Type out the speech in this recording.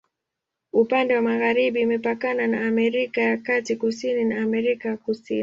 Upande wa magharibi imepakana na Amerika ya Kati, kusini na Amerika ya Kusini.